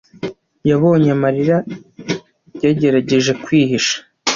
yabonye amarira yagerageje kwihisha.